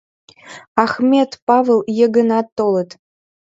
Ахмет, Павыл, Йыгынат толыт.